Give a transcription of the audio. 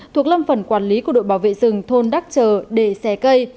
thuộc lâm phần quản lý của đội bảo vệ rừng thôn đắc trờ để xẻ cây